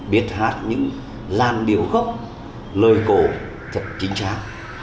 biết hạt những làn biểu gốc lời cổ thật chính xác